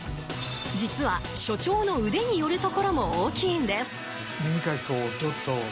実は所長の腕によるところも大きいんです